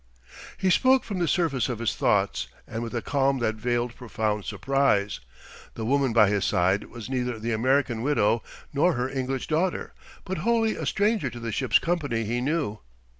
He spoke from the surface of his thoughts and with a calm that veiled profound surprise. The woman by his side was neither the American widow nor her English daughter, but wholly a stranger to the ship's company he knew.